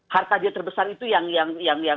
harta dia terbesar itu yang